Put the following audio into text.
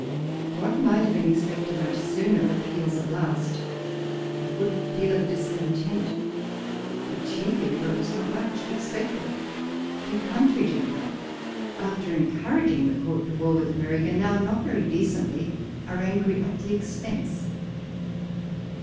What might have been expected much sooner, appears at last — a good deal of dis content ; but chiefly where it was not much expected. The country gentlemen, after en couraging the Court to war with America, now, not very decently, are angry at the expense.